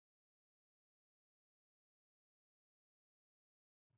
له هغه سره د ده زور برابر نه دی.